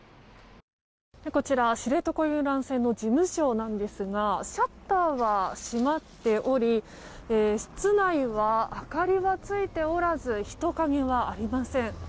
こちらは知床遊覧船の事務所なんですがシャッターが閉まっており室内は明かりがついておらず人影はありません。